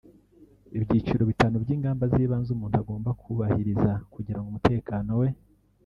Ibyiciro bitanu by’ingamba z’ibanze umuntu agomba kubahiriza kugirango umutekano we